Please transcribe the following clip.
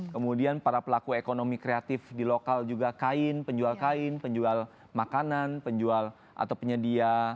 kemudian para pelaku ekonomi kreatif di lokal juga kain penjual kain penjual makanan penjual atau penyedia